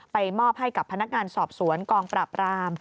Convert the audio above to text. มอบให้กับพนักงานสอบสวนกองปราบราม